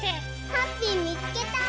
ハッピーみつけた！